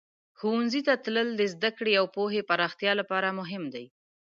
ښوونځي ته تلل د زده کړې او پوهې پراختیا لپاره مهم دی.